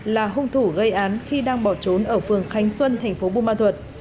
là hung thủ gây án khi đang bỏ trốn ở phường khánh xuân thành phố bùa măn thuật